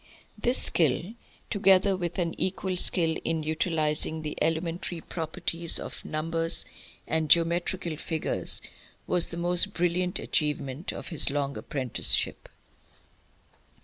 This skill, together with an equal skill in utilising the elementary properties of numbers and geometrical figures, was the most brilliant achievement of his long apprenticeship.